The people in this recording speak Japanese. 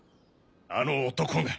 あの男が。